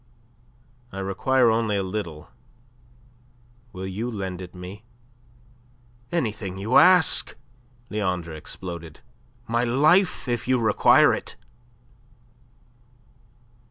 I require only a little. Will you lend it me?" "Anything you ask," Leandre exploded. "My life if you require it."